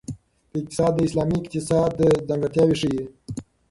اقتصاد د اسلامي اقتصاد ځانګړتیاوې ښيي.